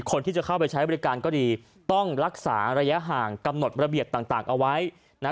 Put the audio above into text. คนที่จะเข้าไปใช้บริการก็ดีต้องรักษาระยะห่างกำหนดระเบียบต่างเอาไว้นะ